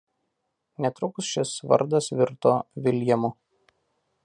Netrukus šis vardas virto "Viljamu.